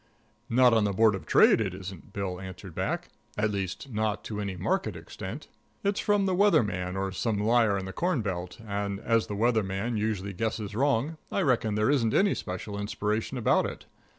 "Not on the Board of Trade it isn't," Bill answered back; "at least, not to any marked extent; it's from the weather man or some liar in the corn belt, and, as the weather man usually guesses wrong, I reckon there isn't any special inspiration about it.